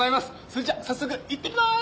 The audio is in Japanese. それじゃあ早速行ってきます！